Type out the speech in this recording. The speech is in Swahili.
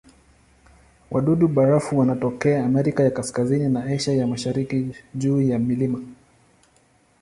Wadudu-barafu wanatokea Amerika ya Kaskazini na Asia ya Mashariki juu ya milima.